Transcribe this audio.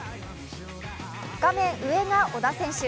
画面上が小田選手。